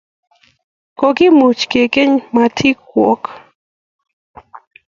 Kokimwoch akine matikwo